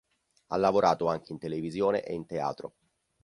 Ha lavorato anche in televisione e in teatro.